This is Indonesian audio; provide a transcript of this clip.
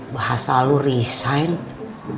bahasa lu resign